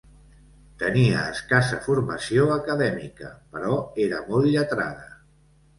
Tenia escassa formació acadèmica, però era molt lletrada.